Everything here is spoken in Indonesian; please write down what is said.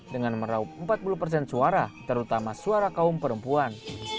dengan meraup empat puluh persen suara terutama suara kaum perempuan